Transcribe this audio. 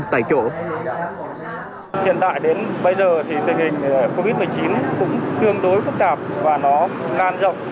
tại giờ thì tình hình covid một mươi chín cũng tương đối phức tạp và nó can rộng